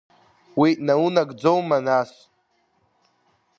Уи наунагӡоума, нас?